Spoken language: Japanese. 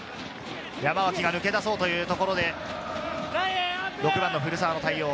山脇が抜け出そうというところで、６番の古澤の対応。